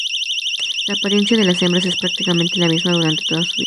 La apariencia de las hembras es prácticamente la misma durante toda su vida.